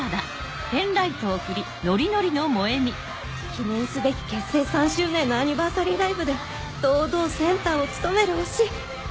記念すべき結成３周年のアニーバーサリーライブで堂々センターを務める推し！